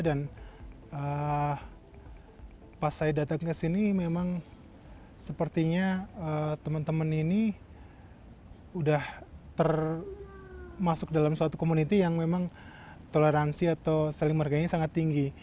dan pas saya datang ke sini memang sepertinya teman teman ini sudah termasuk dalam suatu komunitas yang toleransi atau saling meragainya sangat tinggi